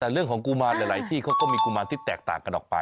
แต่เรื่องของกุมารหลายที่เขาก็มีกุมารที่แตกต่างกันออกไป